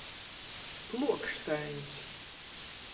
Pluokštaiņs.